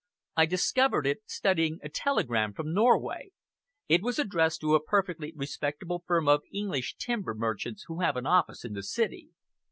I discovered it, studying a telegram from Norway. It was addressed to a perfectly respectable firm of English timber merchants who have an office in the city.